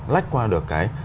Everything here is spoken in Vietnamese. lách qua được cái